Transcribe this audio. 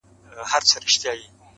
د اوښکو شپه څنګه پر څوکه د باڼه تېرېږي٫